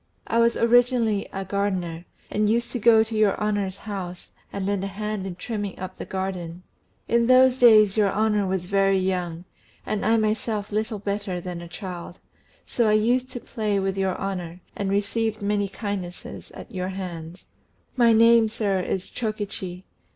I was originally a gardener, and used to go to your honour's house and lend a hand in trimming up the garden. In those days your honour was very young, and I myself little better than a child; and so I used to play with your honour, and received many kindnesses at your hands. My name, sir, is Chokichi.